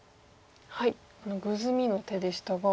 グズミの手でしたが。